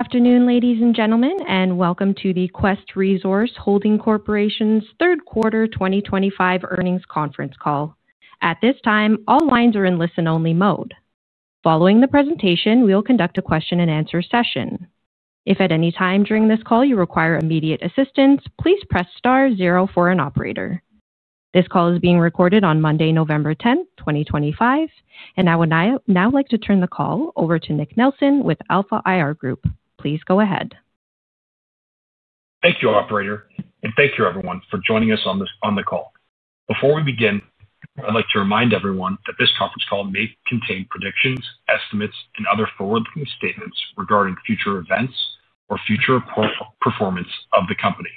Afternoon, ladies and gentlemen, and welcome to the Quest Resource Holding Corporation's Third Quarter 2025 Earnings Conference Call. At this time, all lines are in listen-only mode. Following the presentation, we will conduct a question-and-answer session. If at any time during this call you require immediate assistance, please press star zero for an operator. This call is being recorded on Monday, November 10th, 2025, and I would now like to turn the call over to Nick Nelson with Alpha IR Group. Please go ahead. Thank you, operator, and thank you, everyone, for joining us on the call. Before we begin, I'd like to remind everyone that this conference call may contain predictions, estimates, and other forward-looking statements regarding future events or future performance of the company.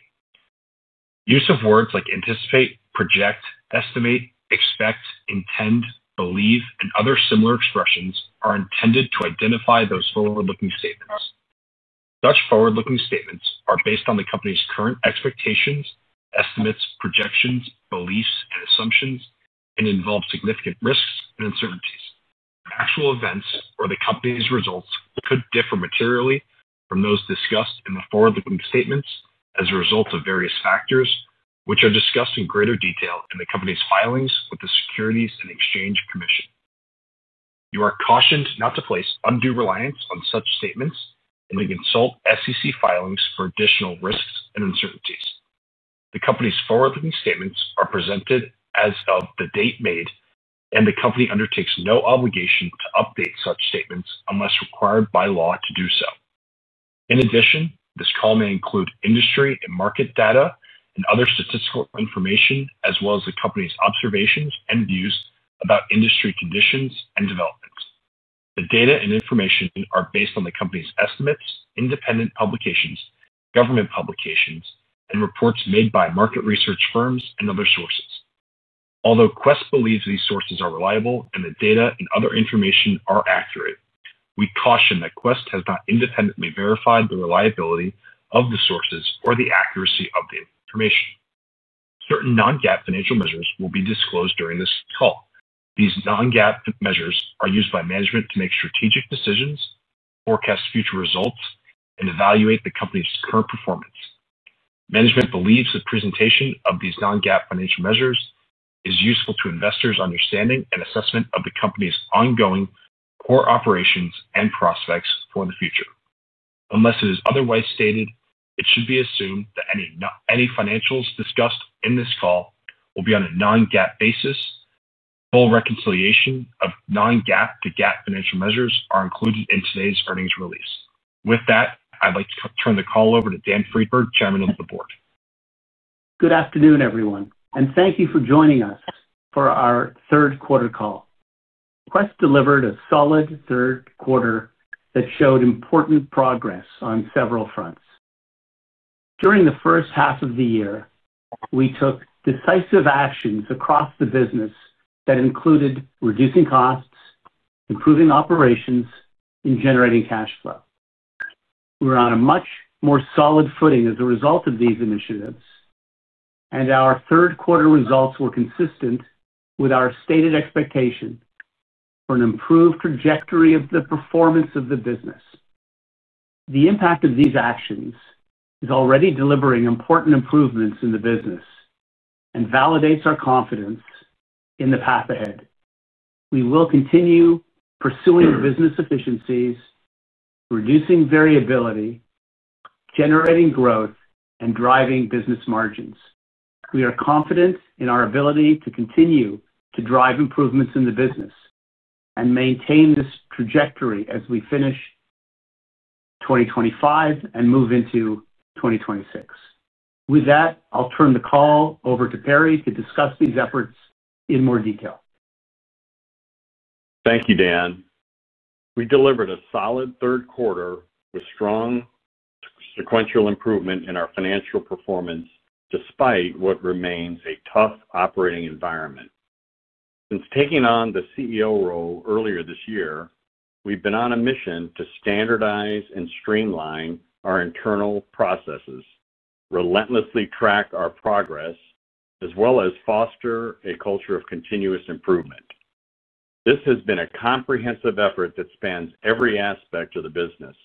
Use of words like anticipate, project, estimate, expect, intend, believe, and other similar expressions are intended to identify those forward-looking statements. Such forward-looking statements are based on the company's current expectations, estimates, projections, beliefs, and assumptions, and involve significant risks and uncertainties. Actual events or the company's results could differ materially from those discussed in the forward-looking statements as a result of various factors, which are discussed in greater detail in the company's filings with the Securities and Exchange Commission. You are cautioned not to place undue reliance on such statements and to consult SEC filings for additional risks and uncertainties. The company's forward-looking statements are presented as of the date made, and the company undertakes no obligation to update such statements unless required by law to do so. In addition, this call may include industry and market data and other statistical information, as well as the company's observations and views about industry conditions and developments. The data and information are based on the company's estimates, independent publications, government publications, and reports made by market research firms and other sources. Although Quest believes these sources are reliable and the data and other information are accurate, we caution that Quest has not independently verified the reliability of the sources or the accuracy of the information. Certain non-GAAP financial measures will be disclosed during this call. These non-GAAP measures are used by management to make strategic decisions, forecast future results, and evaluate the company's current performance. Management believes the presentation of these non-GAAP financial measures is useful to investors' understanding and assessment of the company's ongoing core operations and prospects for the future. Unless it is otherwise stated, it should be assumed that any financials discussed in this call will be on a non-GAAP basis. Full reconciliation of non-GAAP to GAAP financial measures is included in today's earnings release. With that, I'd like to turn the call over to Dan Friedberg, Chairman of the Board. Good afternoon, everyone, and thank you for joining us for our Third Quarter Call. Quest delivered a solid Third Quarter that showed important progress on several fronts. During the first half of the year, we took decisive actions across the business that included reducing costs, improving operations, and generating cash flow. We were on a much more solid footing as a result of these initiatives, and our Third Quarter results were consistent with our stated expectation for an improved trajectory of the performance of the business. The impact of these actions is already delivering important improvements in the business and validates our confidence in the path ahead. We will continue pursuing business efficiencies, reducing variability, generating growth, and driving business margins. We are confident in our ability to continue to drive improvements in the business and maintain this trajectory as we finish 2025 and move into 2026. With that, I'll turn the call over to Perry to discuss these efforts in more detail. Thank you, Dan. We delivered a solid third quarter with strong sequential improvement in our financial performance despite what remains a tough operating environment. Since taking on the CEO role earlier this year, we've been on a mission to standardize and streamline our internal processes, relentlessly track our progress, as well as foster a culture of continuous improvement. This has been a comprehensive effort that spans every aspect of the business,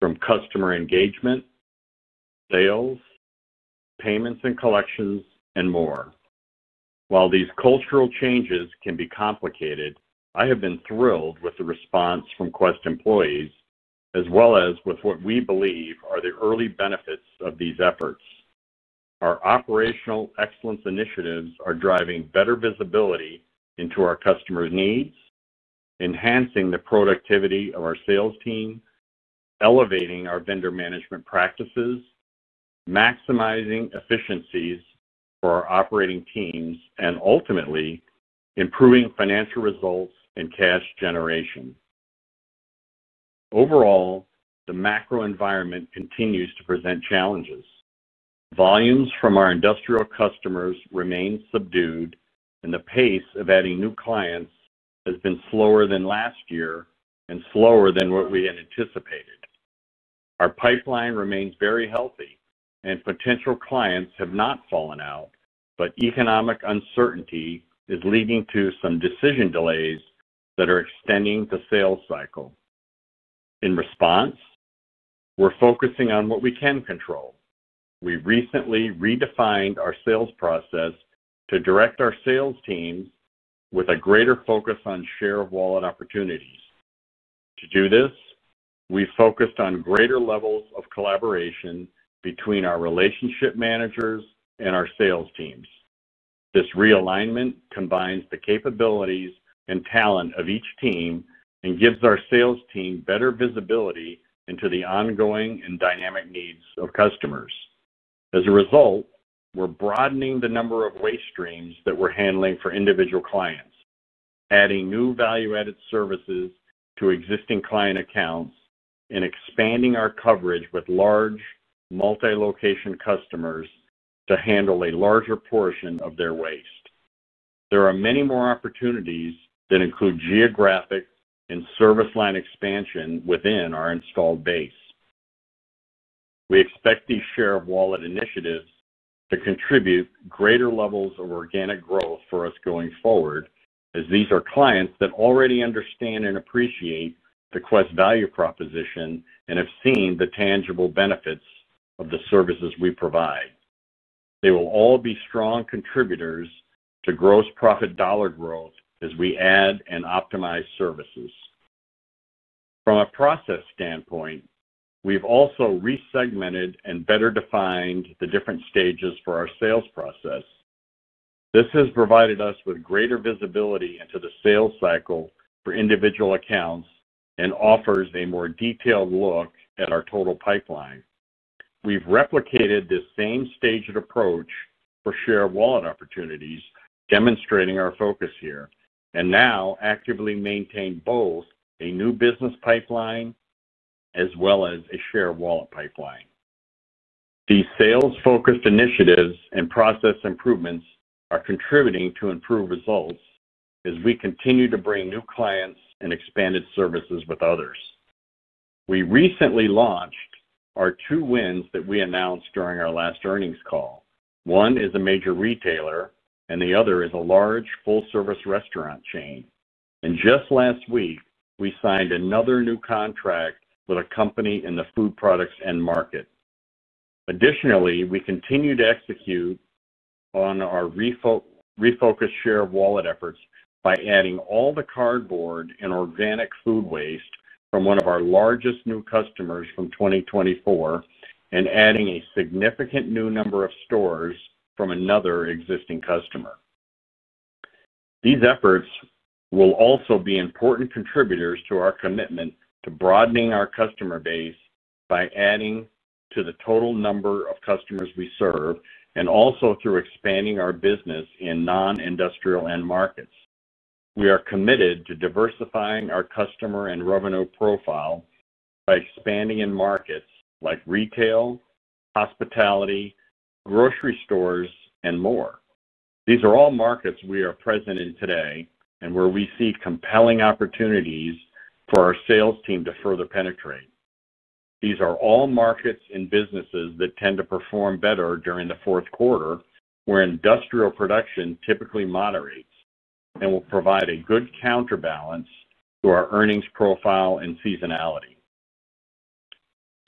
from customer engagement, sales, payments and collections, and more. While these cultural changes can be complicated, I have been thrilled with the response from Quest employees, as well as with what we believe are the early benefits of these efforts. Our operational excellence initiatives are driving better visibility into our customers' needs, enhancing the productivity of our sales team, elevating our vendor management practices, maximizing efficiencies for our operating teams, and ultimately improving financial results and cash generation. Overall, the macro environment continues to present challenges. Volumes from our industrial customers remain subdued, and the pace of adding new clients has been slower than last year and slower than what we anticipated. Our pipeline remains very healthy, and potential clients have not fallen out, but economic uncertainty is leading to some decision delays that are extending the sales cycle. In response, we're focusing on what we can control. We recently redefined our sales process to direct our sales teams with a greater focus on share of wallet opportunities. To do this, we focused on greater levels of collaboration between our relationship managers and our sales teams. This realignment combines the capabilities and talent of each team and gives our sales team better visibility into the ongoing and dynamic needs of customers. As a result, we're broadening the number of waste streams that we're handling for individual clients, adding new value-added services to existing client accounts, and expanding our coverage with large multi-location customers to handle a larger portion of their waste. There are many more opportunities that include geographic and service line expansion within our installed base. We expect these share of wallet initiatives to contribute greater levels of organic growth for us going forward, as these are clients that already understand and appreciate the Quest value proposition and have seen the tangible benefits of the services we provide. They will all be strong contributors to gross profit dollar growth as we add and optimize services. From a process standpoint, we've also resegmented and better defined the different stages for our sales process. This has provided us with greater visibility into the sales cycle for individual accounts and offers a more detailed look at our total pipeline. We've replicated this same staged approach for share of wallet opportunities, demonstrating our focus here, and now actively maintain both a new business pipeline as well as a share of wallet pipeline. These sales-focused initiatives and process improvements are contributing to improved results as we continue to bring new clients and expanded services with others. We recently launched our two wins that we announced during our last earnings call. One is a major retailer, and the other is a large full-service restaurant chain. Just last week, we signed another new contract with a company in the food products end market. Additionally, we continue to execute on our refocused share of wallet efforts by adding all the cardboard and organic food waste from one of our largest new customers from 2024 and adding a significant new number of stores from another existing customer. These efforts will also be important contributors to our commitment to broadening our customer base by adding to the total number of customers we serve and also through expanding our business in non-industrial end markets. We are committed to diversifying our customer and revenue profile by expanding in markets like retail, hospitality, grocery stores, and more. These are all markets we are present in today and where we see compelling opportunities for our sales team to further penetrate. These are all markets and businesses that tend to perform better during the fourth quarter, where industrial production typically moderates, and will provide a good counterbalance to our earnings profile and seasonality.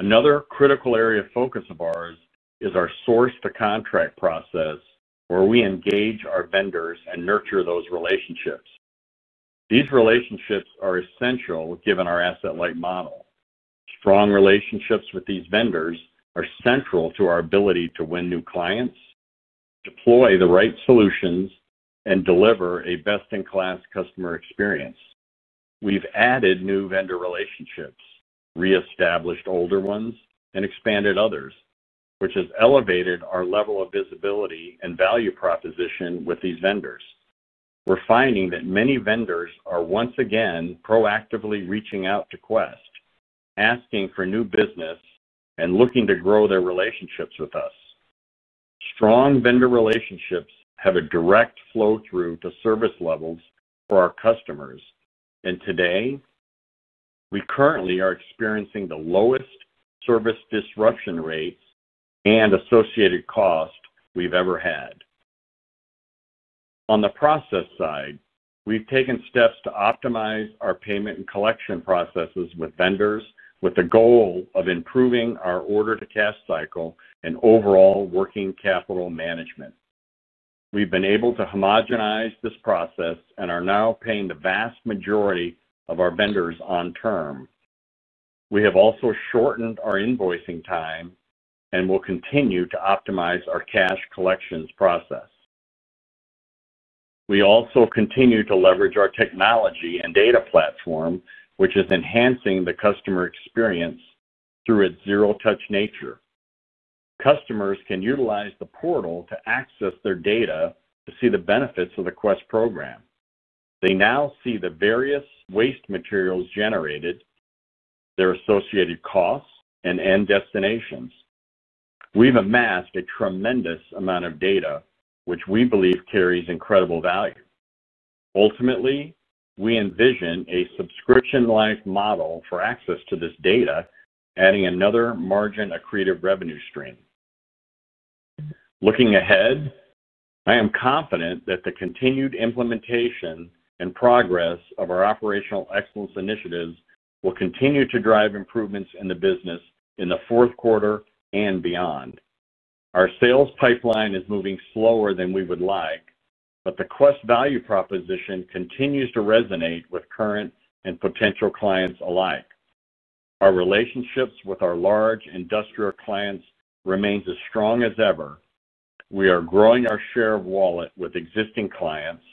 Another critical area of focus of ours is our source-to-contract process, where we engage our vendors and nurture those relationships. These relationships are essential given our asset-light model. Strong relationships with these vendors are central to our ability to win new clients, deploy the right solutions, and deliver a best-in-class customer experience. We've added new vendor relationships, reestablished older ones, and expanded others, which has elevated our level of visibility and value proposition with these vendors. We're finding that many vendors are once again proactively reaching out to Quest, asking for new business, and looking to grow their relationships with us. Strong vendor relationships have a direct flow-through to service levels for our customers, and today, we currently are experiencing the lowest service disruption rates and associated cost we've ever had. On the process side, we've taken steps to optimize our payment and collection processes with vendors with the goal of improving our order-to-cash cycle and overall working capital management. We've been able to homogenize this process and are now paying the vast majority of our vendors on term. We have also shortened our invoicing time and will continue to optimize our cash collections process. We also continue to leverage our technology and data platform, which is enhancing the customer experience through its zero-touch nature. Customers can utilize the portal to access their data to see the benefits of the Quest program. They now see the various waste materials generated, their associated costs, and end destinations. We've amassed a tremendous amount of data, which we believe carries incredible value. Ultimately, we envision a subscription-like model for access to this data, adding another margin of creative revenue stream. Looking ahead, I am confident that the continued implementation and progress of our operational excellence initiatives will continue to drive improvements in the business in the fourth quarter and beyond. Our sales pipeline is moving slower than we would like, but the Quest value proposition continues to resonate with current and potential clients alike. Our relationships with our large industrial clients remain as strong as ever. We are growing our share of wallet with existing clients,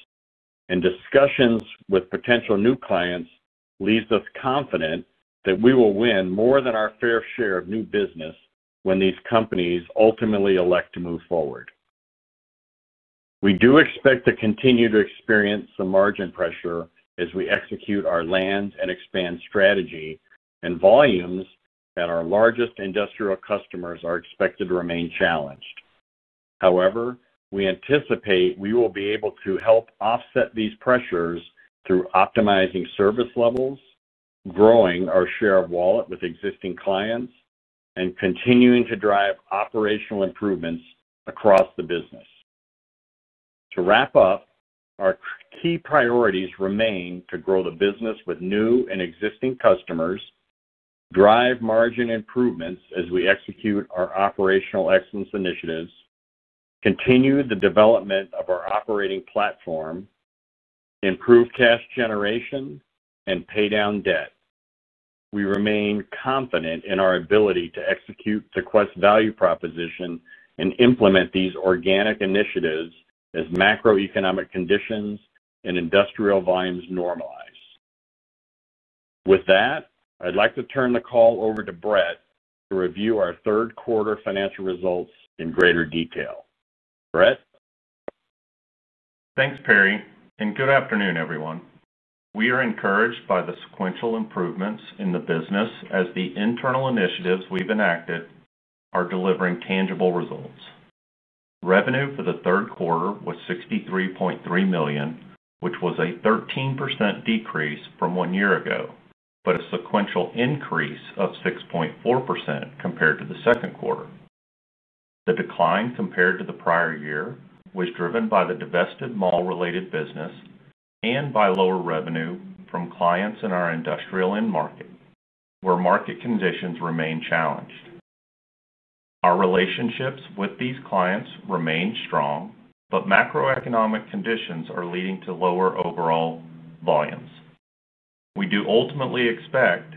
and discussions with potential new clients leave us confident that we will win more than our fair share of new business when these companies ultimately elect to move forward. We do expect to continue to experience some margin pressure as we execute our land and expand strategy and volumes, and our largest industrial customers are expected to remain challenged. However, we anticipate we will be able to help offset these pressures through optimizing service levels, growing our share of wallet with existing clients, and continuing to drive operational improvements across the business. To wrap up, our key priorities remain to grow the business with new and existing customers, drive margin improvements as we execute our operational excellence initiatives, continue the development of our operating platform, improve cash generation, and pay down debt. We remain confident in our ability to execute the Quest value proposition and implement these organic initiatives as macroeconomic conditions and industrial volumes normalize. With that, I'd like to turn the call over to Brett to review our Third Quarter financial results in greater detail. Brett? Thanks, Perry, and good afternoon, everyone. We are encouraged by the sequential improvements in the business as the internal initiatives we've enacted are delivering tangible results. Revenue for the third quarter was $63.3 million, which was a 13% decrease from one year ago, but a sequential increase of 6.4% compared to the second quarter. The decline compared to the prior year was driven by the divested mall-related business and by lower revenue from clients in our industrial end market, where market conditions remain challenged. Our relationships with these clients remain strong, but macroeconomic conditions are leading to lower overall volumes. We do ultimately expect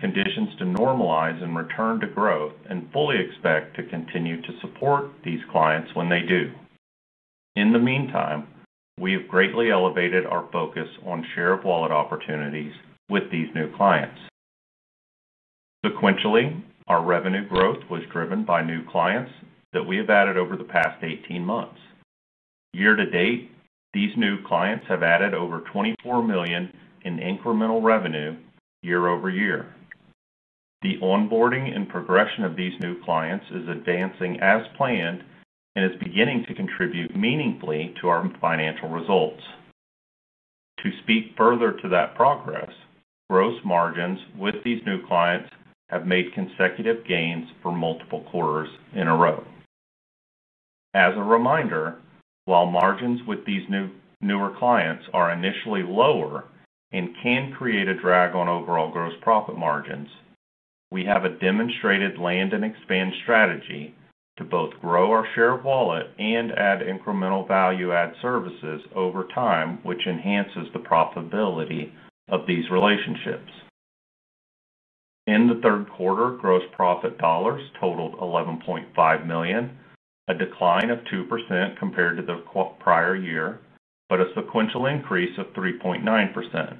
conditions to normalize and return to growth, and fully expect to continue to support these clients when they do. In the meantime, we have greatly elevated our focus on share of wallet opportunities with these new clients. Sequentially, our revenue growth was driven by new clients that we have added over the past 18 months. Year-to-date, these new clients have added over $24 million in incremental revenue year-over-year. The onboarding and progression of these new clients is advancing as planned and is beginning to contribute meaningfully to our financial results. To speak further to that progress, gross margins with these new clients have made consecutive gains for multiple quarters in a row. As a reminder, while margins with these newer clients are initially lower and can create a drag on overall gross profit margins, we have a demonstrated land and expand strategy to both grow our share of wallet and add incremental value-add services over time, which enhances the profitability of these relationships. In the third quarter, gross profit dollars totaled $11.5 million, a decline of 2% compared to the prior year, but a sequential increase of 3.9%.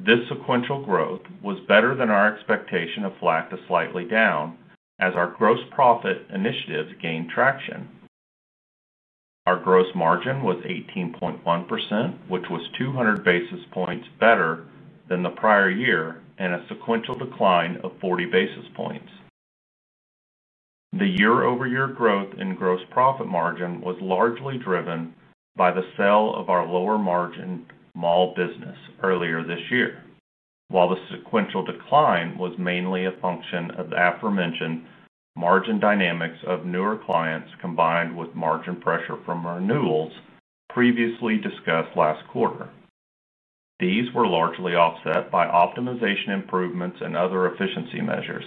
This sequential growth was better than our expectation of flat to slightly down as our gross profit initiatives gained traction. Our gross margin was 18.1%, which was 200 basis points better than the prior year and a sequential decline of 40 basis points. The year-over-year growth in gross profit margin was largely driven by the sale of our lower margin mall business earlier this year, while the sequential decline was mainly a function of the aforementioned margin dynamics of newer clients combined with margin pressure from renewals previously discussed last quarter. These were largely offset by optimization improvements and other efficiency measures.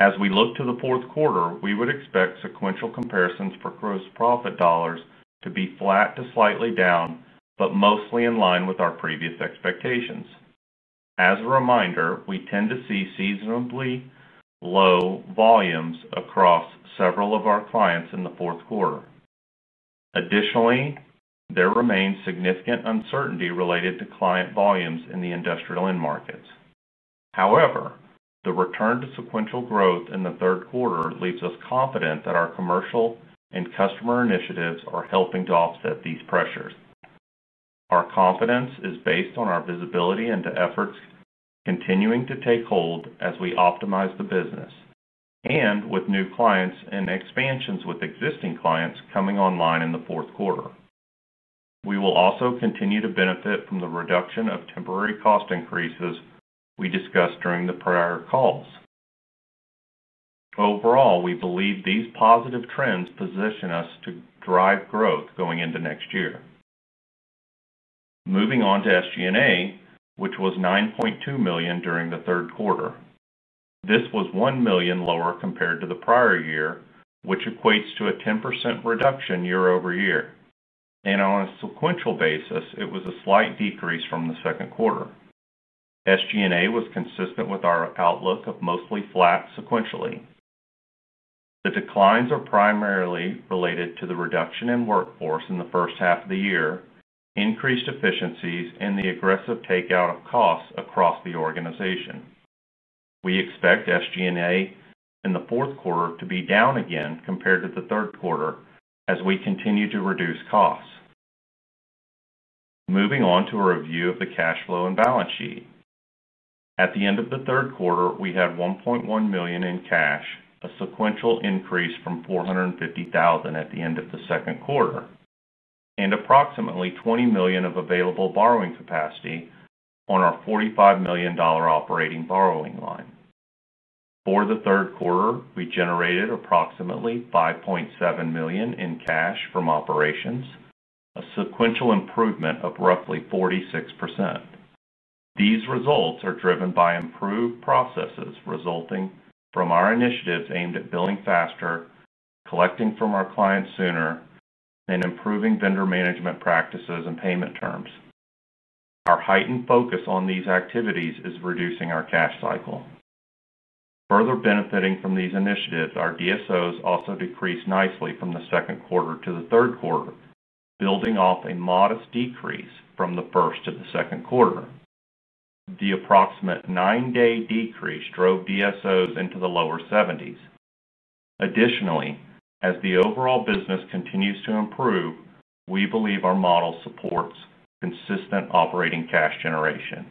As we look to the fourth quarter, we would expect sequential comparisons for gross profit dollars to be flat to slightly down, but mostly in line with our previous expectations. As a reminder, we tend to see seasonably low volumes across several of our clients in the fourth quarter. Additionally, there remains significant uncertainty related to client volumes in the industrial end markets. However, the return to sequential growth in the third quarter leaves us confident that our commercial and customer initiatives are helping to offset these pressures. Our confidence is based on our visibility into efforts continuing to take hold as we optimize the business and with new clients and expansions with existing clients coming online in the fourth quarter. We will also continue to benefit from the reduction of temporary cost increases we discussed during the prior calls. Overall, we believe these positive trends position us to drive growth going into next year. Moving on to SG&A, which was $9.2 million during the third quarter. This was $1 million lower compared to the prior year, which equates to a 10% reduction year-over-year. On a sequential basis, it was a slight decrease from the second quarter. SG&A was consistent with our outlook of mostly flat sequentially. The declines are primarily related to the reduction in workforce in the first half of the year, increased efficiencies, and the aggressive takeout of costs across the organization. We expect SG&A in the fourth quarter to be down again compared to the third quarter as we continue to reduce costs. Moving on to a review of the cash flow and balance sheet. At the end of the third quarter, we had $1.1 million in cash, a sequential increase from $450,000 at the end of the second quarter, and approximately $20 million of available borrowing capacity on our $45 million operating borrowing line. For the third quarter, we generated approximately $5.7 million in cash from operations, a sequential improvement of roughly 46%. These results are driven by improved processes resulting from our initiatives aimed at billing faster, collecting from our clients sooner, and improving vendor management practices and payment terms. Our heightened focus on these activities is reducing our cash cycle. Further benefiting from these initiatives, our DSOs also decreased nicely from the second quarter to the third quarter, building off a modest decrease from the first to the second quarter. The approximate nine-day decrease drove DSOs into the lower 70s. Additionally, as the overall business continues to improve, we believe our model supports consistent operating cash generation.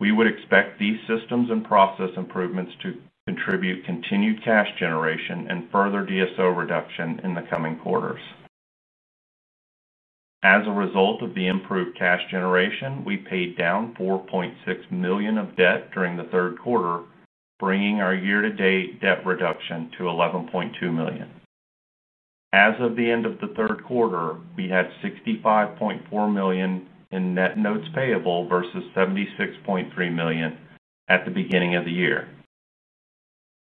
We would expect these systems and process improvements to contribute continued cash generation and further DSO reduction in the coming quarters. As a result of the improved cash generation, we paid down $4.6 million of debt during the third quarter, bringing our year-to-date debt reduction to $11.2 million. As of the end of the third quarter, we had $65.4 million in net notes payable versus $76.3 million at the beginning of the year.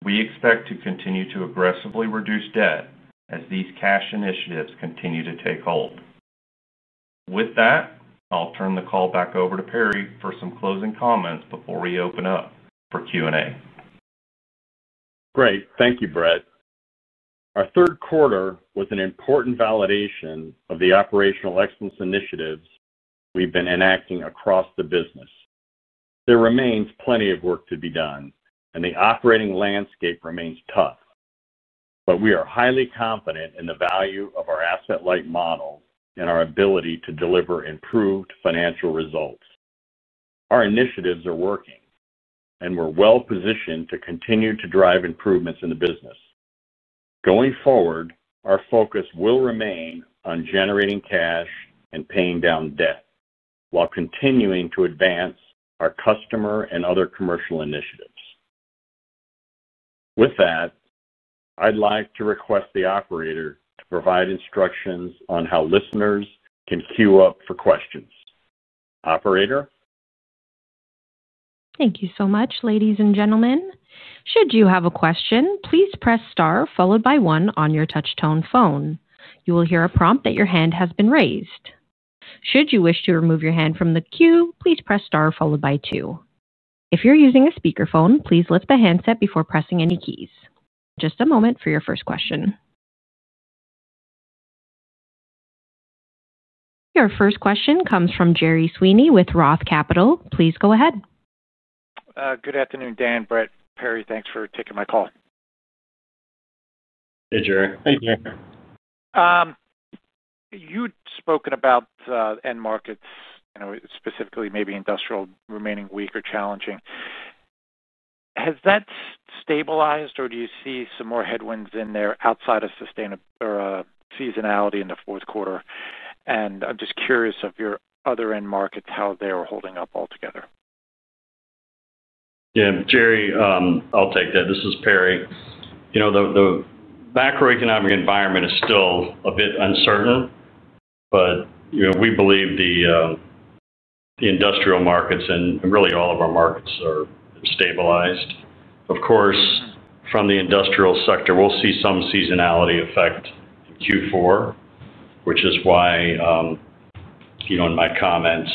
We expect to continue to aggressively reduce debt as these cash initiatives continue to take hold. With that, I'll turn the call back over to Perry for some closing comments before we open up for Q&A. Great. Thank you, Brett. Our third quarter was an important validation of the operational excellence initiatives we've been enacting across the business. There remains plenty of work to be done, and the operating landscape remains tough. We are highly confident in the value of our asset-like model and our ability to deliver improved financial results. Our initiatives are working, and we're well-positioned to continue to drive improvements in the business. Going forward, our focus will remain on generating cash and paying down debt while continuing to advance our customer and other commercial initiatives. With that, I'd like to request the operator to provide instructions on how listeners can queue up for questions. Operator? Thank you so much, ladies and gentlemen. Should you have a question, please press star followed by one on your touch-tone phone. You will hear a prompt that your hand has been raised. Should you wish to remove your hand from the queue, please press star followed by two. If you're using a speakerphone, please lift the handset before pressing any keys. Just a moment for your first question. Our first question comes from Jerry Sweeney with Roth Capital. Please go ahead. Good afternoon, Dan, Brett, Perry. Thanks for taking my call. Hey, Jerry. Hey, Jerry. You'd spoken about end markets, specifically maybe industrial. Remaining weak or challenging. Has that stabilized, or do you see some more headwinds in there outside of seasonality in the fourth quarter? I'm just curious of your other end markets, how they're holding up altogether. Yeah, Jerry, I'll take that. This is Perry. The macroeconomic environment is still a bit uncertain, but we believe the industrial markets and really all of our markets are stabilized. Of course, from the industrial sector, we'll see some seasonality effect in Q4, which is why in my comments,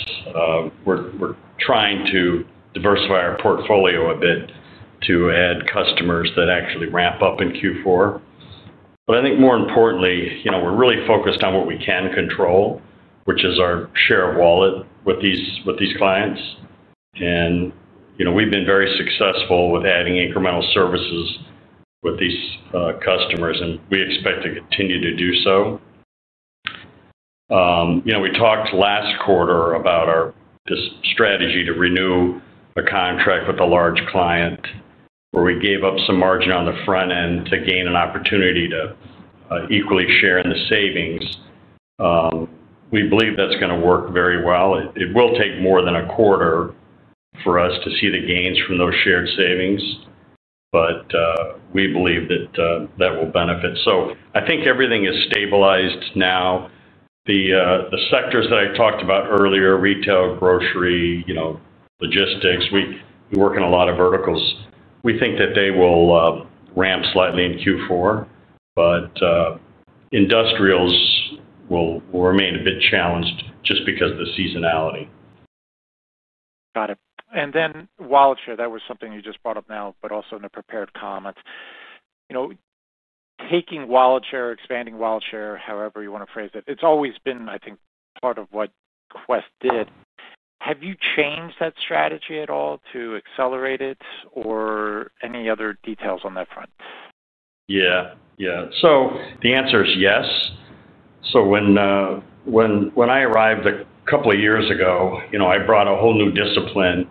we're trying to diversify our portfolio a bit to add customers that actually ramp up in Q4. I think more importantly, we're really focused on what we can control, which is our share of wallet with these clients. We've been very successful with adding incremental services with these customers, and we expect to continue to do so. We talked last quarter about our strategy to renew a contract with a large client, where we gave up some margin on the front end to gain an opportunity to equally share in the savings. We believe that's going to work very well. It will take more than a quarter for us to see the gains from those shared savings, but we believe that that will benefit. I think everything is stabilized now. The sectors that I talked about earlier, retail, grocery, logistics, we work in a lot of verticals. We think that they will ramp slightly in Q4, but industrials will remain a bit challenged just because of the seasonality. Got it. And then wallet share, that was something you just brought up now, but also in the prepared comments. Taking wallet share, expanding wallet share, however you want to phrase it, it's always been, I think, part of what Quest did. Have you changed that strategy at all to accelerate it, or any other details on that front? Yeah. Yeah. The answer is yes. When I arrived a couple of years ago, I brought a whole new discipline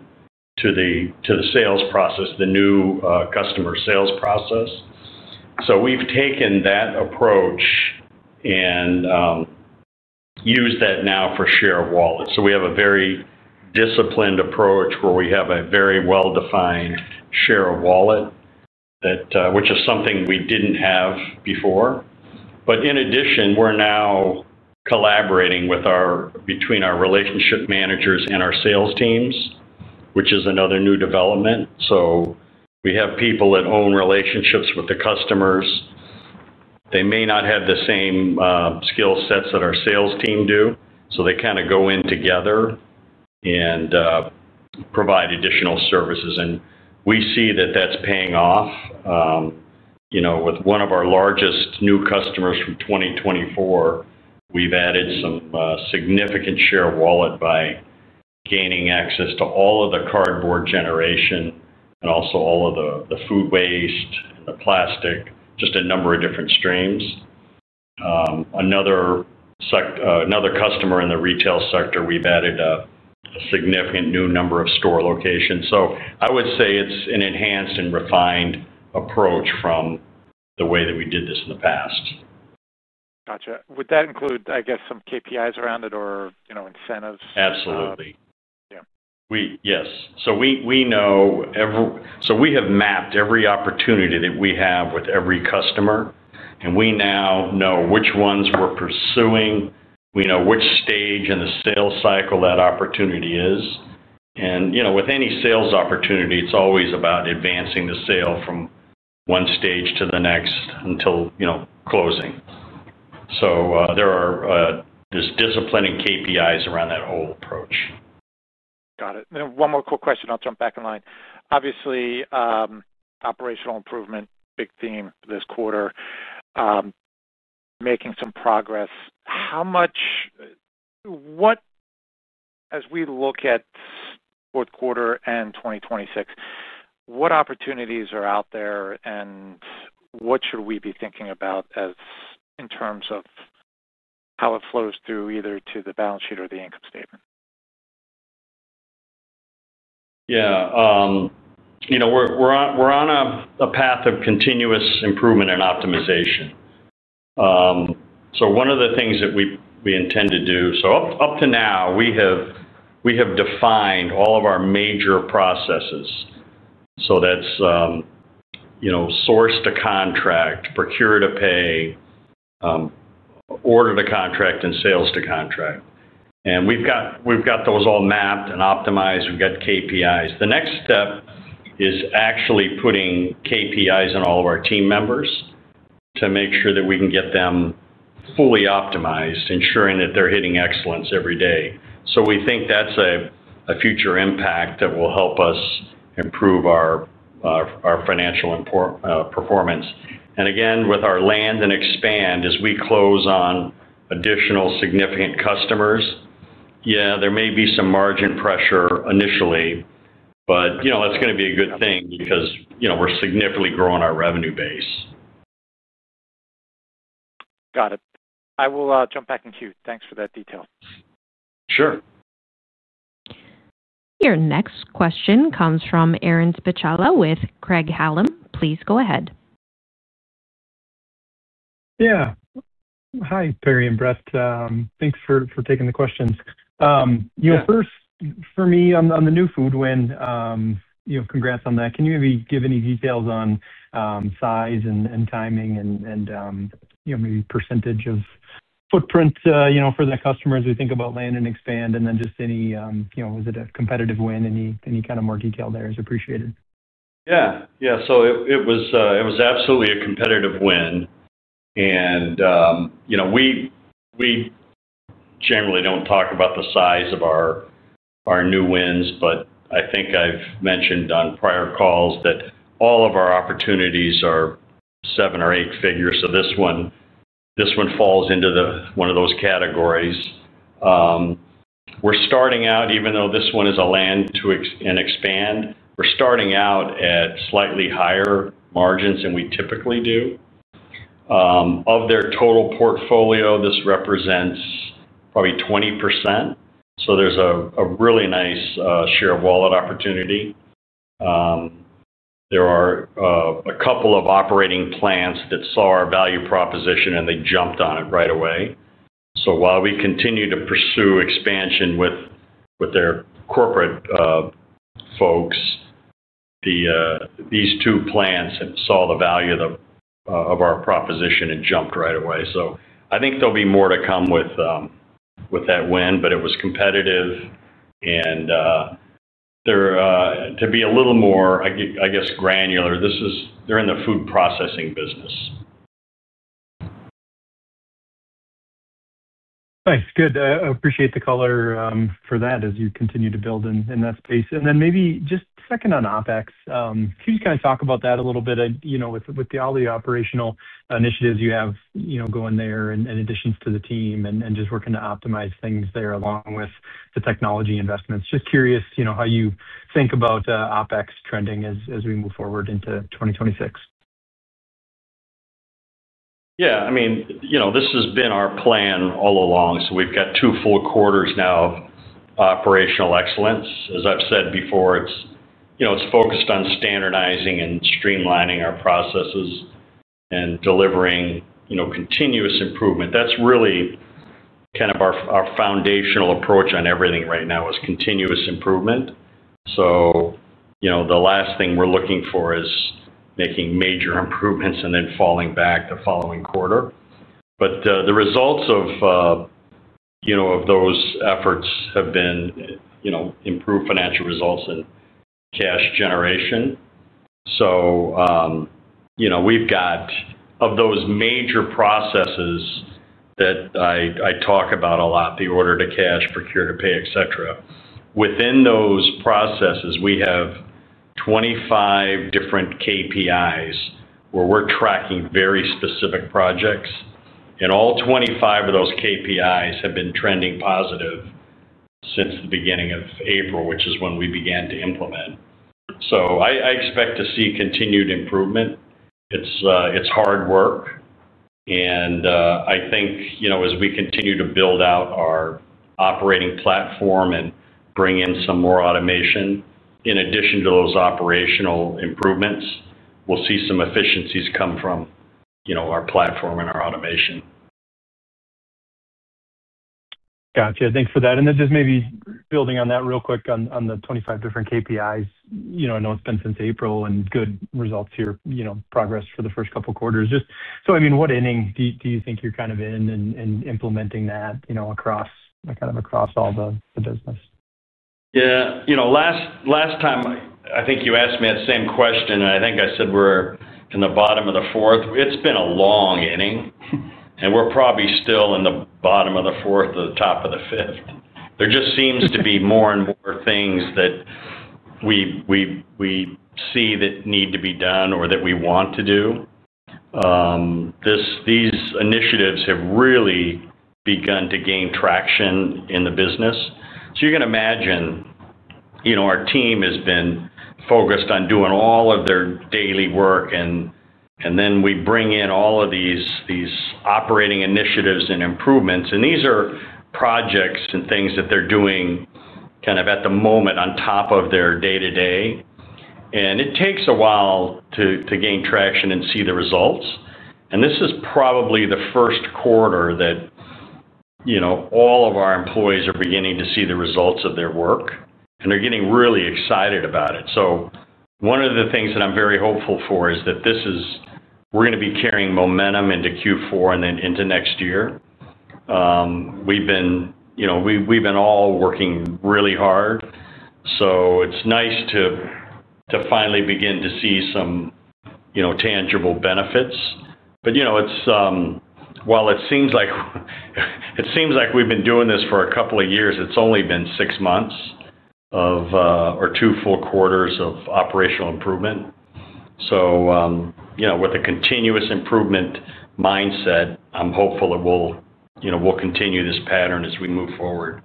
to the sales process, the new customer sales process. We have taken that approach and used that now for share of wallet. We have a very disciplined approach where we have a very well-defined share of wallet, which is something we did not have before. In addition, we are now collaborating between our relationship managers and our sales teams, which is another new development. We have people that own relationships with the customers. They may not have the same skill sets that our sales team do, so they kind of go in together and provide additional services. We see that is paying off. With one of our largest new customers from 2024, we've added some significant share of wallet by gaining access to all of the cardboard generation and also all of the food waste and the plastic, just a number of different streams. Another customer in the retail sector, we've added a significant new number of store locations. I would say it's an enhanced and refined approach from the way that we did this in the past. Gotcha. Would that include, I guess, some KPIs around it or incentives? Absolutely. Yes. We know every, so we have mapped every opportunity that we have with every customer, and we now know which ones we're pursuing. We know which stage in the sales cycle that opportunity is. With any sales opportunity, it's always about advancing the sale from one stage to the next until closing. There are disciplining KPIs around that whole approach. Got it. One more quick question. I'll jump back in line. Obviously, operational improvement, big theme this quarter, making some progress. What, as we look at fourth quarter and 2026, what opportunities are out there and what should we be thinking about in terms of how it flows through either to the balance sheet or the income statement? Yeah. We're on a path of continuous improvement and optimization. One of the things that we intend to do, up to now, we have defined all of our major processes. That's source to contract, procure to pay, order to contract, and sales to contract. We've got those all mapped and optimized. We've got KPIs. The next step is actually putting KPIs in all of our team members to make sure that we can get them fully optimized, ensuring that they're hitting excellence every day. We think that's a future impact that will help us improve our financial performance. Again, with our land and expand, as we close on additional significant customers, yeah, there may be some margin pressure initially, but that's going to be a good thing because we're significantly growing our revenue base. Got it. I will jump back in queue. Thanks for that detail. Sure. Your next question comes from Aaron Spychalla with Craig-Hallum. Please go ahead. Yeah. Hi, Perry and Brett. Thanks for taking the questions. For me, on the new food win, congrats on that. Can you maybe give any details on size and timing and maybe percentage of footprint for that customer as we think about land and expand, and then just any, was it a competitive win? Any kind of more detail there is appreciated. Yeah. Yeah. So it was absolutely a competitive win. And we generally do not talk about the size of our new wins, but I think I have mentioned on prior calls that all of our opportunities are seven or eight figures. So this one falls into one of those categories. We are starting out, even though this one is a land and expand, we are starting out at slightly higher margins than we typically do. Of their total portfolio, this represents probably 20%. So there is a really nice share of wallet opportunity. There are a couple of operating plants that saw our value proposition, and they jumped on it right away. While we continue to pursue expansion with their corporate folks, these two plants saw the value of our proposition and jumped right away. I think there will be more to come with that win, but it was competitive. To be a little more, I guess, granular, they're in the food processing business. Nice. Good. Appreciate the color for that as you continue to build in that space. Maybe just second on OpEx, can you just kind of talk about that a little bit with all the operational initiatives you have going there in addition to the team and just working to optimize things there along with the technology investments? Just curious how you think about OpEx trending as we move forward into 2026. Yeah. I mean, this has been our plan all along. We've got two full quarters now of operational excellence. As I've said before, it's focused on standardizing and streamlining our processes and delivering continuous improvement. That's really kind of our foundational approach on everything right now is continuous improvement. The last thing we're looking for is making major improvements and then falling back the following quarter. The results of those efforts have been improved financial results and cash generation. We've got, of those major processes that I talk about a lot, the order to cash, procure to pay, etc., within those processes, we have 25 different KPIs where we're tracking very specific projects. All 25 of those KPIs have been trending positive since the beginning of April, which is when we began to implement. I expect to see continued improvement. It's hard work. I think as we continue to build out our operating platform and bring in some more automation, in addition to those operational improvements, we'll see some efficiencies come from our platform and our automation. Gotcha. Thanks for that. Just maybe building on that real quick on the 25 different KPIs. I know it's been since April and good results here, progress for the first couple of quarters. I mean, what ending do you think you're kind of in and implementing that kind of across all the business? Yeah. Last time, I think you asked me that same question, and I think I said we're in the bottom of the fourth. It's been a long inning, and we're probably still in the bottom of the fourth, the top of the fifth. There just seems to be more and more things that we see that need to be done or that we want to do. These initiatives have really begun to gain traction in the business. You can imagine our team has been focused on doing all of their daily work, and then we bring in all of these operating initiatives and improvements. These are projects and things that they're doing kind of at the moment on top of their day-to-day. It takes a while to gain traction and see the results. This is probably the first quarter that all of our employees are beginning to see the results of their work, and they're getting really excited about it. One of the things that I'm very hopeful for is that we're going to be carrying momentum into Q4 and then into next year. We've been all working really hard. It's nice to finally begin to see some tangible benefits. While it seems like we've been doing this for a couple of years, it's only been six months or two full quarters of operational improvement. With a continuous improvement mindset, I'm hopeful we'll continue this pattern as we move forward.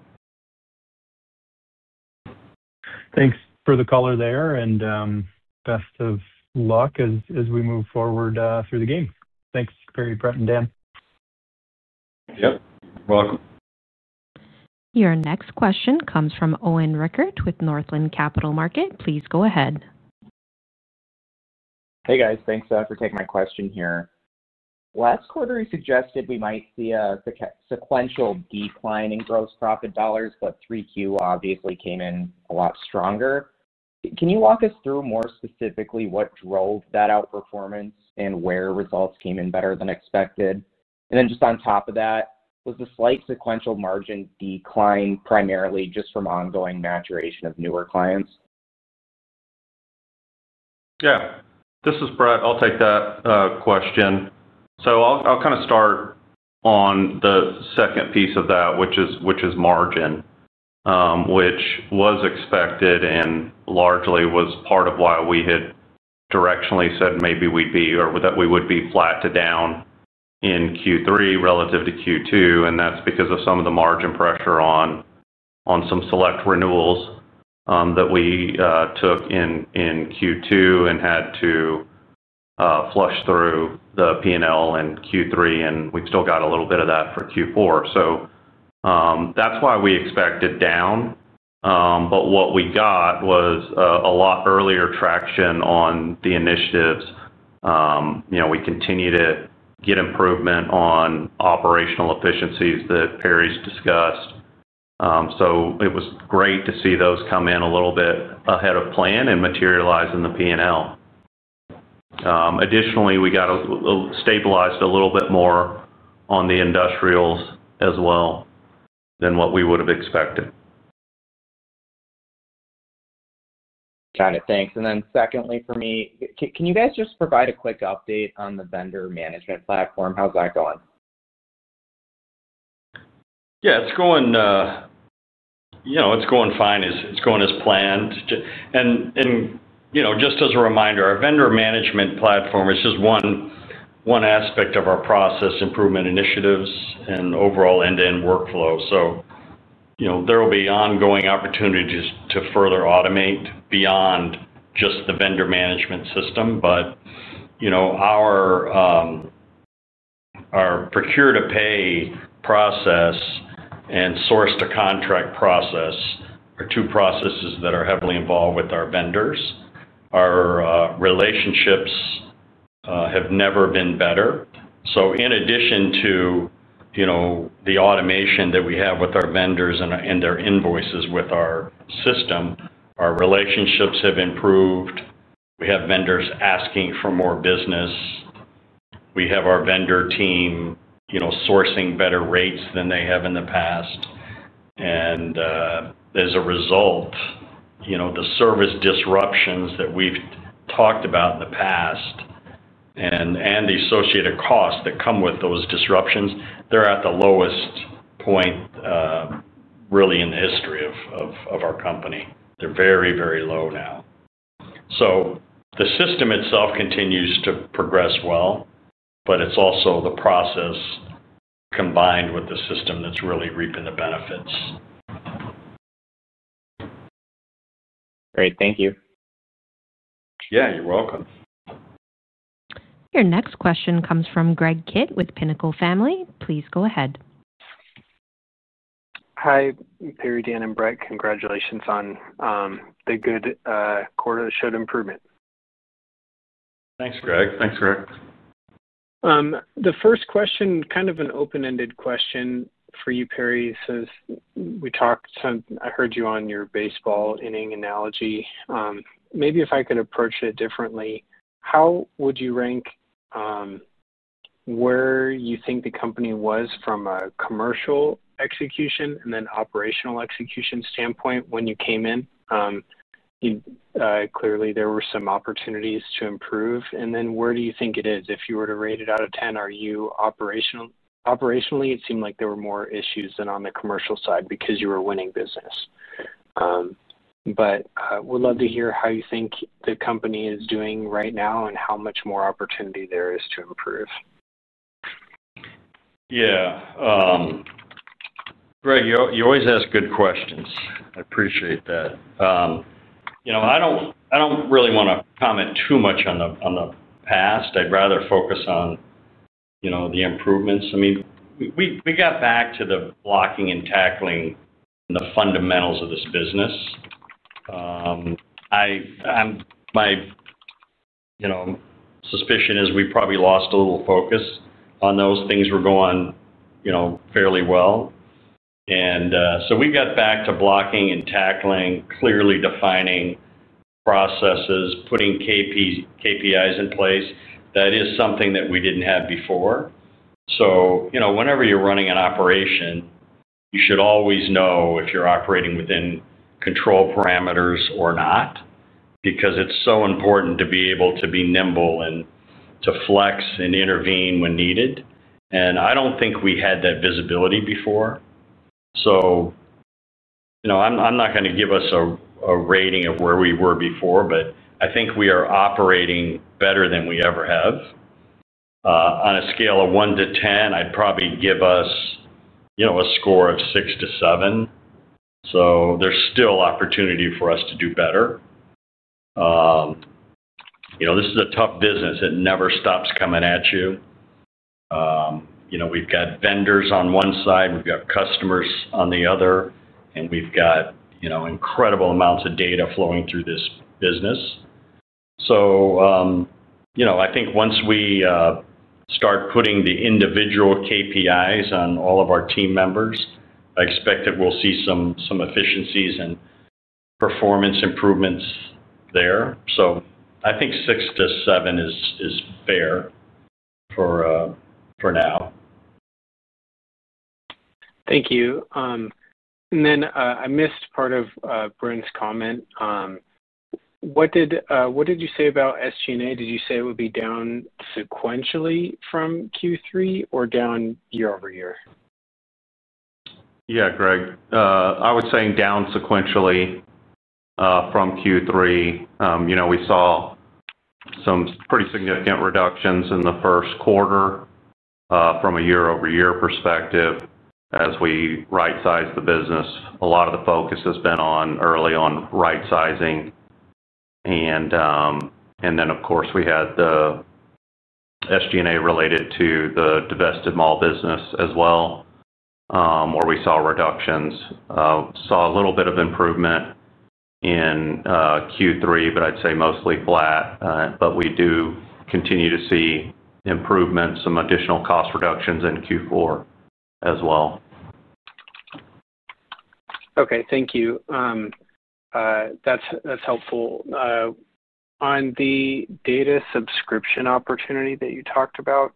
Thanks for the color there, and best of luck as we move forward through the game. Thanks, Perry, Brett, and Dan. Yep. You're welcome. Your next question comes from Owen Rickert with Northland Capital Markets. Please go ahead. Hey, guys. Thanks for taking my question here. Last quarter, you suggested we might see a sequential decline in gross profit dollars, but 3Q obviously came in a lot stronger. Can you walk us through more specifically what drove that outperformance and where results came in better than expected? Just on top of that, was the slight sequential margin decline primarily just from ongoing maturation of newer clients? Yeah. This is Brett. I'll take that question. I'll kind of start on the second piece of that, which is margin, which was expected and largely was part of why we had directionally said maybe we'd be or that we would be flat to down in Q3 relative to Q2. That's because of some of the margin pressure on some select renewals that we took in Q2 and had to flush through the P&L in Q3, and we've still got a little bit of that for Q4. That's why we expected down. What we got was a lot earlier traction on the initiatives. We continued to get improvement on operational efficiencies that Perry's discussed. It was great to see those come in a little bit ahead of plan and materialize in the P&L. Additionally, we got stabilized a little bit more on the industrials as well than what we would have expected. Got it. Thanks. And then secondly, for me, can you guys just provide a quick update on the vendor management platform? How's that going? Yeah. It's going fine. It's going as planned. Just as a reminder, our vendor management platform is just one aspect of our process improvement initiatives and overall end-to-end workflow. There will be ongoing opportunities to further automate beyond just the vendor management system. Our procure to pay process and source to contract process are two processes that are heavily involved with our vendors. Our relationships have never been better. In addition to the automation that we have with our vendors and their invoices with our system, our relationships have improved. We have vendors asking for more business. We have our vendor team sourcing better rates than they have in the past. As a result, the service disruptions that we've talked about in the past and the associated costs that come with those disruptions, they're at the lowest point really in the history of our company. They're very, very low now. The system itself continues to progress well, but it's also the process combined with the system that's really reaping the benefits. Great. Thank you. Yeah. You're welcome. Your next question comes from Greg Kitt with Pinnacle Family Office. Please go ahead. Hi, Perry, Dan, and Brett. Congratulations on the good quarter that showed improvement. Thanks, Greg. The first question, kind of an open-ended question for you, Perry, is we talked to—I heard you on your baseball inning analogy. Maybe if I could approach it differently, how would you rank where you think the company was from a commercial execution and then operational execution standpoint when you came in? Clearly, there were some opportunities to improve. Then where do you think it is? If you were to rate it out of 10, are you operationally? It seemed like there were more issues than on the commercial side because you were winning business. We'd love to hear how you think the company is doing right now and how much more opportunity there is to improve. Yeah. Greg, you always ask good questions. I appreciate that. I do not really want to comment too much on the past. I would rather focus on the improvements. I mean, we got back to the blocking and tackling and the fundamentals of this business. My suspicion is we probably lost a little focus on those things. We are going fairly well. We got back to blocking and tackling, clearly defining processes, putting KPIs in place. That is something that we did not have before. Whenever you are running an operation, you should always know if you are operating within control parameters or not because it is so important to be able to be nimble and to flex and intervene when needed. I do not think we had that visibility before. I'm not going to give us a rating of where we were before, but I think we are operating better than we ever have. On a scale of 1-10, I'd probably give us a score of 6-7. There's still opportunity for us to do better. This is a tough business. It never stops coming at you. We've got vendors on one side. We've got customers on the other. We've got incredible amounts of data flowing through this business. I think once we start putting the individual KPIs on all of our team members, I expect that we'll see some efficiencies and performance improvements there. I think 6-7 is fair for now. Thank you. I missed part of Brett's comment. What did you say about SG&A? Did you say it would be down sequentially from Q3 or down year over year? Yeah, Greg. I would say down sequentially from Q3. We saw some pretty significant reductions in the first quarter from a year-over-year perspective. As we right-sized the business, a lot of the focus has been early on right-sizing. Of course, we had the SG&A related to the divested mall business as well, where we saw reductions. Saw a little bit of improvement in Q3, but I'd say mostly flat. We do continue to see improvements, some additional cost reductions in Q4 as well. Okay. Thank you. That's helpful. On the data subscription opportunity that you talked about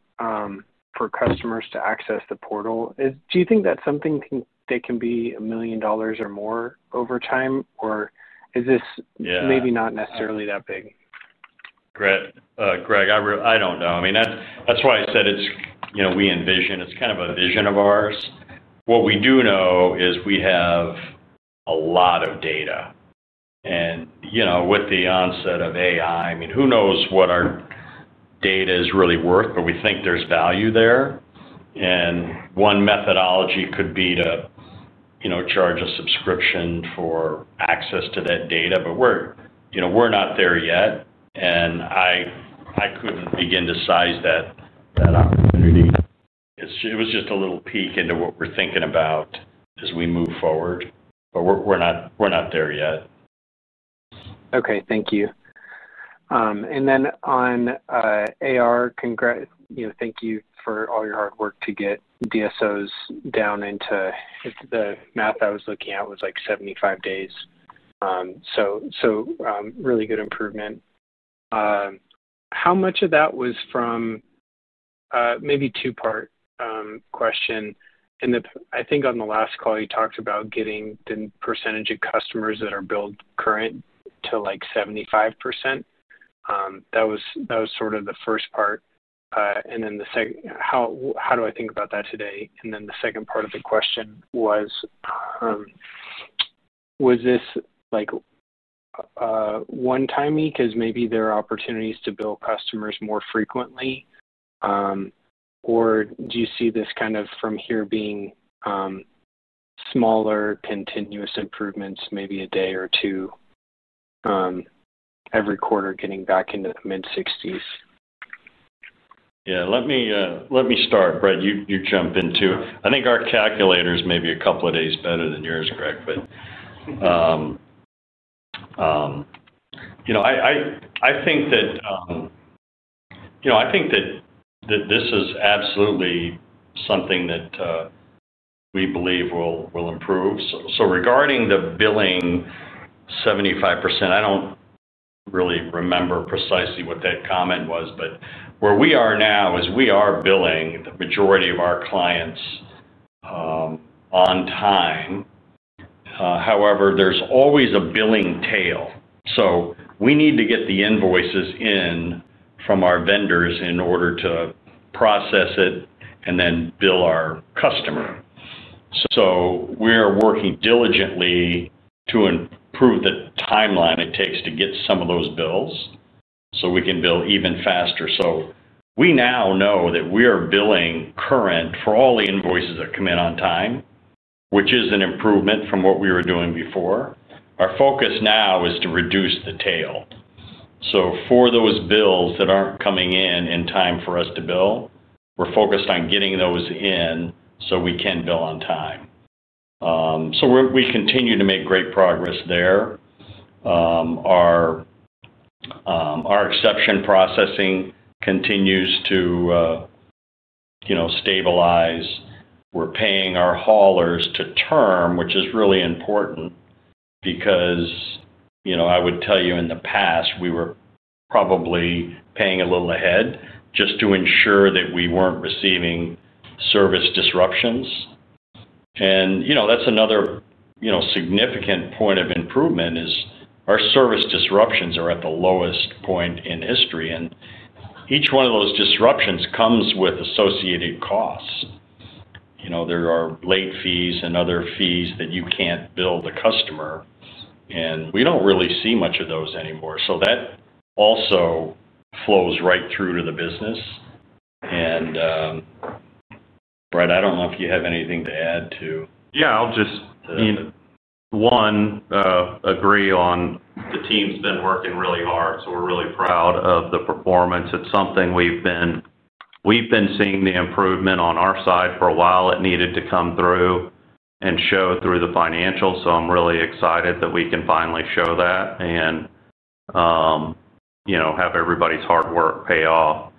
for customers to access the portal, do you think that's something that can be a million dollars or more over time, or is this maybe not necessarily that big? Greg, I don't know. I mean, that's why I said we envision. It's kind of a vision of ours. What we do know is we have a lot of data. And with the onset of AI, I mean, who knows what our data is really worth, but we think there's value there. One methodology could be to charge a subscription for access to that data. We're not there yet. I couldn't begin to size that opportunity. It was just a little peek into what we're thinking about as we move forward. We're not there yet. Okay. Thank you. And then on AR, thank you for all your hard work to get DSOs down into the math I was looking at was like 75 days. Really good improvement. How much of that was from maybe a two-part question? I think on the last call, you talked about getting the percentage of customers that are billed current to like 75%. That was sort of the first part. How do I think about that today? The second part of the question was, was this one-time because maybe there are opportunities to bill customers more frequently? Or do you see this kind of from here being smaller continuous improvements, maybe a day or two every quarter getting back into the mid-60s? Yeah. Let me start. Brett, you jump in too. I think our calculator is maybe a couple of days better than yours, Greg. I think that this is absolutely something that we believe will improve. Regarding the billing 75%, I do not really remember precisely what that comment was. Where we are now is we are billing the majority of our clients on time. However, there is always a billing tail. We need to get the invoices in from our vendors in order to process it and then bill our customer. We are working diligently to improve the timeline it takes to get some of those bills so we can bill even faster. We now know that we are billing current for all the invoices that come in on time, which is an improvement from what we were doing before. Our focus now is to reduce the tail. For those bills that are not coming in in time for us to bill, we are focused on getting those in so we can bill on time. We continue to make great progress there. Our exception processing continues to stabilize. We are paying our haulers to term, which is really important because I would tell you in the past, we were probably paying a little ahead just to ensure that we were not receiving service disruptions. That is another significant point of improvement. Our service disruptions are at the lowest point in history. Each one of those disruptions comes with associated costs. There are late fees and other fees that you cannot bill the customer. We do not really see much of those anymore. That also flows right through to the business. Brett, I do not know if you have anything to add to. Yeah. I will just, I mean, one, agree on the team's been working really hard. We are really proud of the performance. It is something we have been seeing the improvement on our side for a while. It needed to come through and show through the financials. I am really excited that we can finally show that and have everybody's hard work pay off.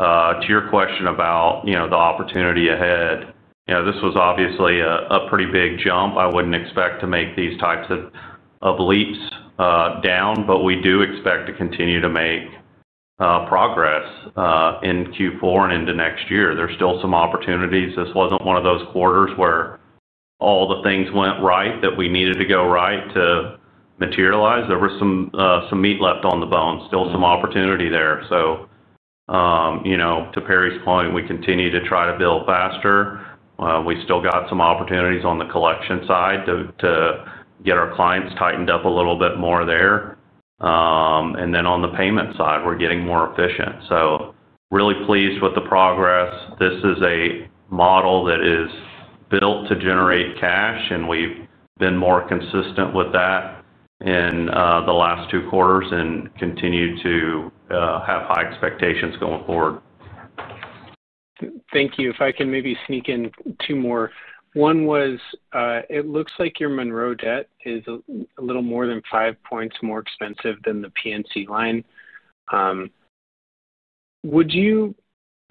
To your question about the opportunity ahead, this was obviously a pretty big jump. I would not expect to make these types of leaps down, but we do expect to continue to make progress in Q4 and into next year. There are still some opportunities. This was not one of those quarters where all the things went right that we needed to go right to materialize. There was some meat left on the bone. Still some opportunity there. To Perry's point, we continue to try to bill faster. We still got some opportunities on the collection side to get our clients tightened up a little bit more there. On the payment side, we're getting more efficient. Really pleased with the progress. This is a model that is built to generate cash, and we've been more consistent with that in the last two quarters and continue to have high expectations going forward. Thank you. If I can maybe sneak in two more. One was, it looks like your Monroe debt is a little more than five points more expensive than the PNC line.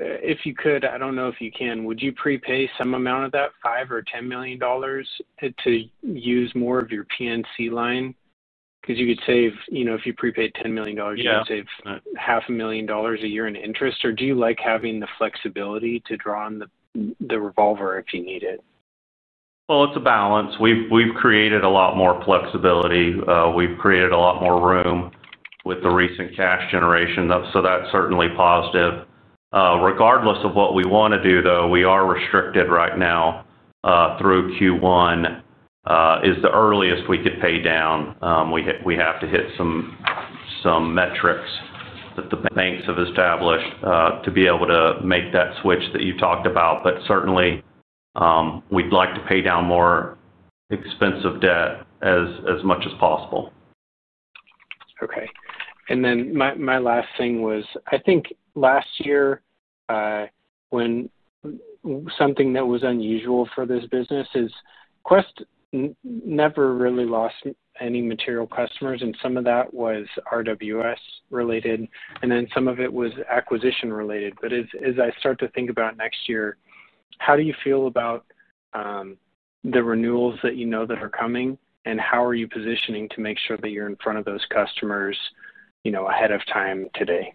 If you could, I do not know if you can, would you prepay some amount of that, $5 million or $10 million, to use more of your PNC line? Because you could save if you prepaid $10 million, you could save $500,000 a year in interest. Or do you like having the flexibility to draw on the revolver if you need it? It is a balance. We've created a lot more flexibility. We've created a lot more room with the recent cash generation. That is certainly positive. Regardless of what we want to do, though, we are restricted right now through Q1 is the earliest we could pay down. We have to hit some metrics that the banks have established to be able to make that switch that you talked about. Certainly, we'd like to pay down more expensive debt as much as possible. Okay. My last thing was, I think last year when something that was unusual for this business is Quest never really lost any material customers, and some of that was RWS-related. Some of it was acquisition-related. As I start to think about next year, how do you feel about the renewals that you know that are coming, and how are you positioning to make sure that you're in front of those customers ahead of time today?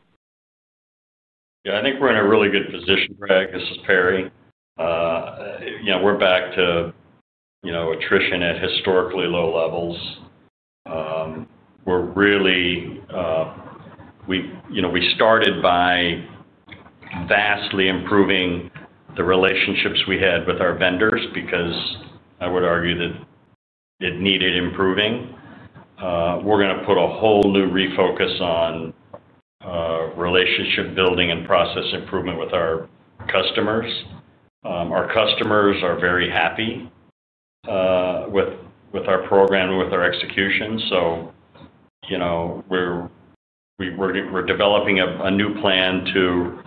Yeah. I think we're in a really good position, Greg. This is Perry. We're back to attrition at historically low levels. We started by vastly improving the relationships we had with our vendors because I would argue that it needed improving. We're going to put a whole new refocus on relationship building and process improvement with our customers. Our customers are very happy with our program and with our execution. We're developing a new plan to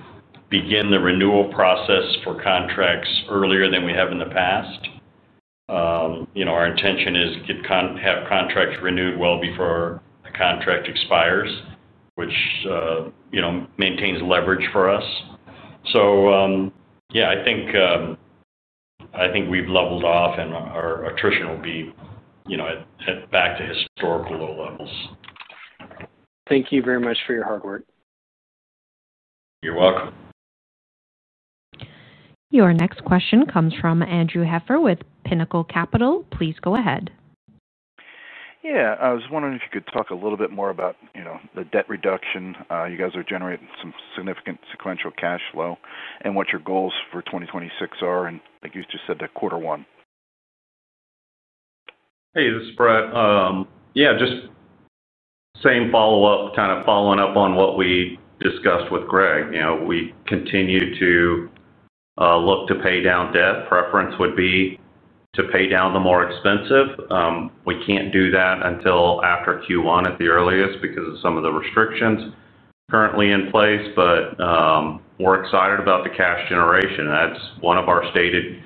begin the renewal process for contracts earlier than we have in the past. Our intention is to have contracts renewed well before the contract expires, which maintains leverage for us. Yeah, I think we've leveled off, and our attrition will be back to historical low levels. Thank you very much for your hard work. You're welcome. Your next question comes from Andrew Heffer with Pinnacle Capital. Please go ahead. Yeah. I was wondering if you could talk a little bit more about the debt reduction. You guys are generating some significant sequential cash flow and what your goals for 2026 are. Like you just said, that quarter one. Hey, this is Brett. Yeah, just same follow-up, kind of following up on what we discussed with Greg. We continue to look to pay down debt. Preference would be to pay down the more expensive. We cannot do that until after Q1 at the earliest because of some of the restrictions currently in place. We are excited about the cash generation. That is one of our stated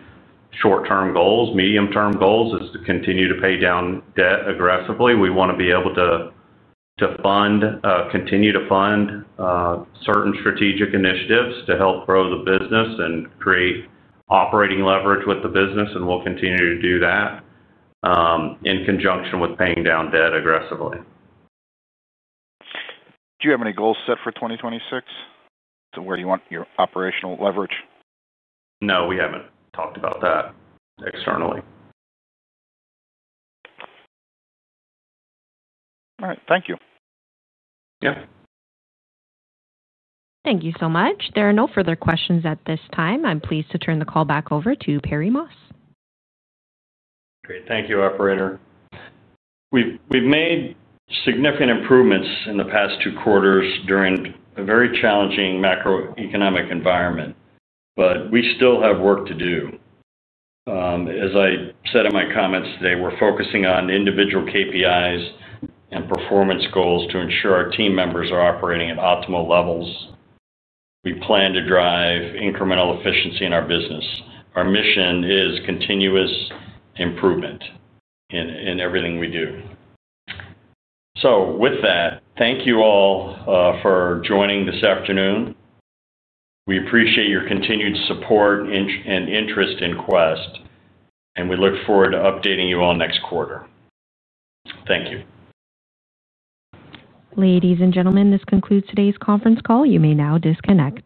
short-term goals. Medium-term goal is to continue to pay down debt aggressively. We want to be able to continue to fund certain strategic initiatives to help grow the business and create operating leverage with the business. We will continue to do that in conjunction with paying down debt aggressively. Do you have any goals set for 2026? To where you want your operational leverage? No, we haven't talked about that externally. All right. Thank you. Yeah. Thank you so much. There are no further questions at this time. I'm pleased to turn the call back over to Perry Moss. Great. Thank you, operator. We've made significant improvements in the past two quarters during a very challenging macroeconomic environment, but we still have work to do. As I said in my comments today, we're focusing on individual KPIs and performance goals to ensure our team members are operating at optimal levels. We plan to drive incremental efficiency in our business. Our mission is continuous improvement in everything we do. Thank you all for joining this afternoon. We appreciate your continued support and interest in Quest. We look forward to updating you all next quarter. Thank you. Ladies and gentlemen, this concludes today's conference call. You may now disconnect.